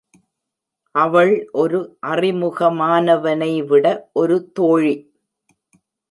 அவள் ஒரு அறிமுகமானவனை விட ஒரு தோழி.